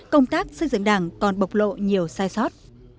công tác xây dựng đảng còn bộc lộ nhiều sai sót